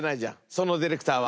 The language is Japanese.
そのディレクターは。